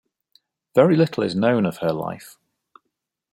Very little is known of her life.